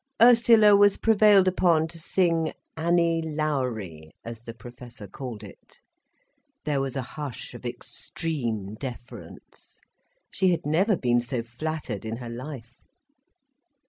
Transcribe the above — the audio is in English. Ursula was prevailed upon to sing "Annie Lowrie," as the Professor called it. There was a hush of extreme deference. She had never been so flattered in her life.